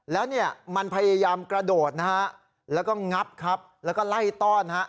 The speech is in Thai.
แล้วเนี่ยมันพยายามกระโดดนะฮะแล้วก็งับครับแล้วก็ไล่ต้อนฮะ